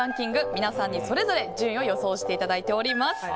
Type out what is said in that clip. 皆さんにそれぞれ順位を予想していただいております。